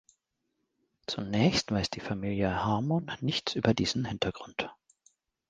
Zunächst weiß die Familie Harmon nichts über diesen Hintergrund.